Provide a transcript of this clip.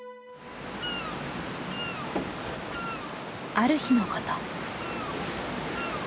ある日のこと。